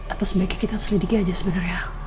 atau sebaiknya kita selidiki aja sebenarnya